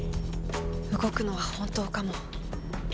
動くのは本当かも。